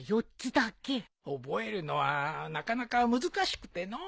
覚えるのはなかなか難しくてのう。